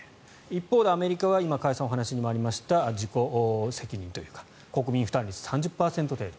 一方で、アメリカは今、加谷さんのお話にもありました自己責任というか国民負担率が３０％程度。